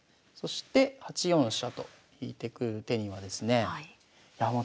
そして８四飛車と引いてくる手にはですねいや